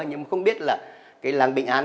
nhưng không biết làng bình an